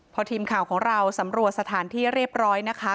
พอทีมข่าวของเราสำรวจสถานที่เรียบร้อยนะคะ